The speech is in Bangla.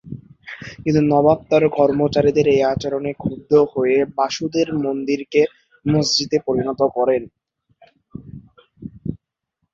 কিন্তু নবাব, তাঁর কর্মচারীদের এই আচরণে ক্ষুব্ধ হয়ে বাসুদেব মন্দিরকে মসজিদে পরিণত করেন।